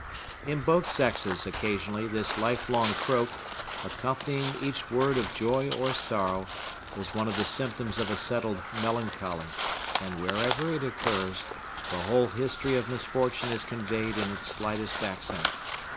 In both sexes, occasionally, this lifelong croak, accompanying each word of joy or sorrow, is one of the symptoms of a settled melancholy; and wherever it occurs, the whole history of misfortune is conveyed in its slightest accent.